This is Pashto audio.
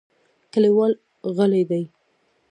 کلیوال غلي دي .